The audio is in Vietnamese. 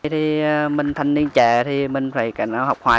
thì mình thanh niên trẻ thì mình phải học hoài